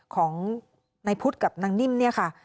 ของนายพุทธกับนางนิ่มเนี่ยค่ะ